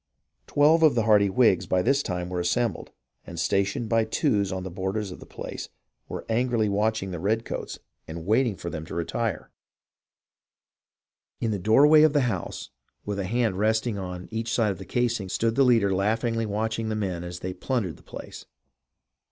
Twelve of the hardy Whigs by this time were assembled, and, stationed by twos on the borders of the place, were angrily watching the red STORIES OF THE WAR IN THE SOUTH 353 coats and waiting for them to retire. In the doorway of the house, with a hand resting on each side of the casing, stood the leader laughingly watching the men as they plundered the place.